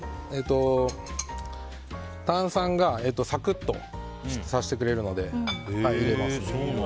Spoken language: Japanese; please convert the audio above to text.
炭酸がサクッとさせてくれるので入れます。